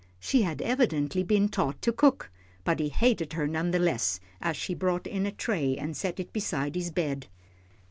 She had evidently been taught to cook, but he hated her none the less as she brought in a tray and set it beside his bed.